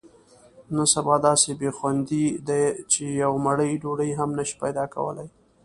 نن سبا داسې بې خوندۍ دي، چې یوه مړۍ ډوډۍ هم نشې پیداکولی.